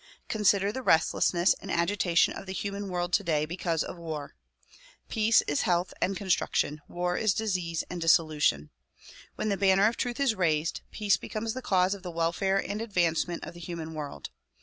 Con sider the restlessness and agitation of the human world today because of war. Peace is health and construction ; war is disease and dissolution. When the banner of truth is raised, peace be comes the cause of the welfare and advancement of the human world.